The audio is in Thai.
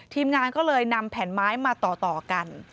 ทีมงานก็เลยนำแผ่นไม้มาต่อกัน